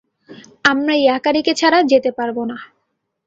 আমরা ইয়াকারিকে ছাড়া যেতে পারব না।